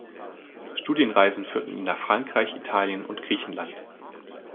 Studienreisen führten ihn nach Frankreich, Italien und Griechenland.